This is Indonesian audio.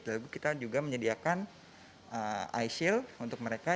lalu kita juga menyediakan ice shield untuk mereka